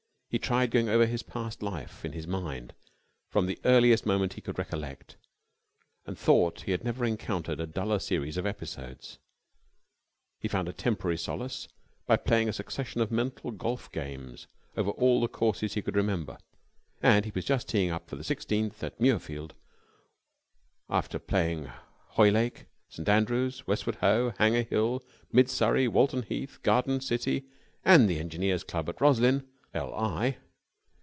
He tried going over his past life in his mind from the earliest moment he could recollect, and thought he had never encountered a duller series of episodes. He found a temporary solace by playing a succession of mental golf games over all the courses he could remember, and he was just teeing up for the sixteenth at Muirfield, after playing Hoylake, St. Andrews, Westward Ho, Hanger Hill, Mid Surrey, Walton Heath, Garden City, and the Engineers' Club at Roslyn, L. I.